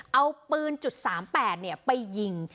เอาปืนจุดสามแปดเนี่ยไปยิง